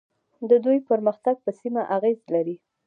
د دوی پرمختګ په سیمه اغیز لري.